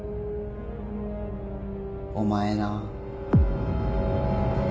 お前な。